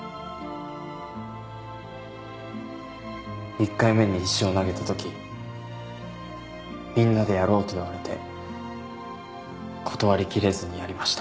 １回目に石を投げたときみんなでやろうと言われて断りきれずにやりました。